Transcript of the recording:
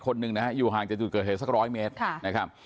คนหนึ่งอยู่ห่างจนจุดเกิดเทศสัก๑๐๐เมตร